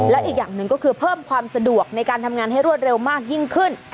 และอีกอย่างหนึ่งก็คือเพิ่มความสะดวกในการทำงานให้รวดเร็วมากยิ่งขึ้น